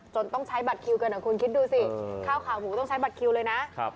ต้องใช้บัตรคิวกันคุณคิดดูสิข้าวขาหมูต้องใช้บัตรคิวเลยนะ